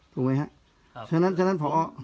ถูกไหมหรือว่านั้นพอ